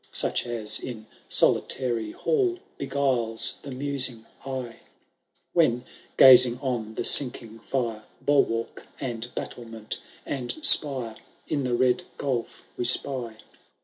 Such as, in solitary hall. Beguiles the musing eye, When, gazing on the sinking fire. Bulwark, and hattlement, and spire. In the red gulf we spy.